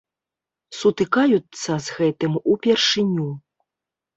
Сутыкаюцца з гэтым упершыню.